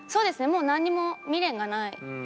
もうなんにも未練がないので。